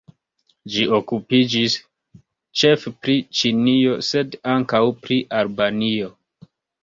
Ĝi okupiĝis ĉefe pri Ĉinio, sed ankaŭ pri Albanio.